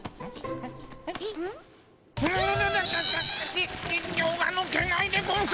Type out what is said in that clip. に人形がぬけないでゴンス。